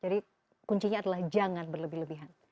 jadi kuncinya adalah jangan berlebih lebihan